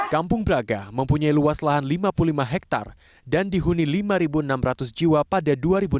kampung braga mempunyai luas lahan lima puluh lima hektare dan dihuni lima enam ratus jiwa pada dua ribu delapan belas